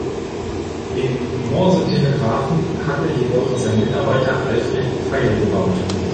Den Morse-Telegrafen hatte jedoch sein Mitarbeiter Alfred Vail gebaut.